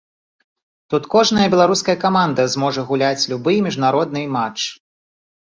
Тут кожная беларуская каманда зможа гуляць любы міжнародны матч.